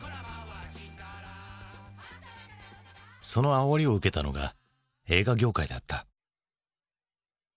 そのあおりを受けたのが映画業界だった。